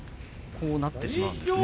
こうなってしまうんですね。